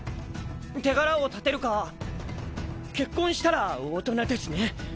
手柄を立てるか結婚したら大人ですね。